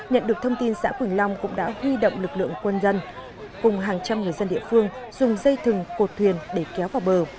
nhận được thông tin xã quỳnh long cũng đã huy động lực lượng quân dân cùng hàng trăm người dân địa phương dùng dây thừng cột thuyền để kéo vào bờ